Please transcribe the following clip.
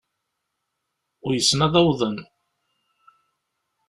Uysen ad awḍen.